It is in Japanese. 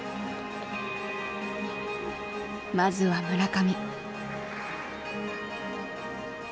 まずは村上。